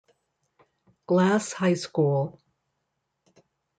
Glass High School.